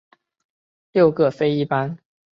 六各飞一班。